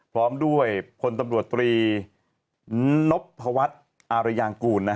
พร้อมด้วยพลตำรวจตรีนพพวัฒน์อารยางกูล